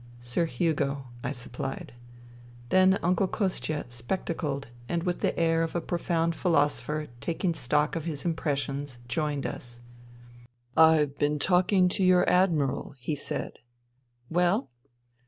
'"" Sir Hugo," I supplied. Then Uncle Kostia, spectacled, and with the air of a profound philosopher taking stock of his impres sions, joined us. " I've been talking to your Admiral," he said. " Well